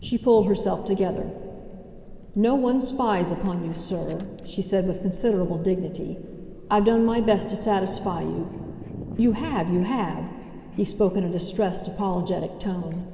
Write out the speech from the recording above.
She pulled herself together. "No one spies upon you, sir," she said, with considerable dignity. "I've done my best to satisfy you—" "You have—you have!" he spoke in a distressed, apologetic tone.